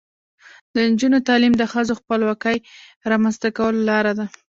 د نجونو تعلیم د ښځو خپلواکۍ رامنځته کولو لاره ده.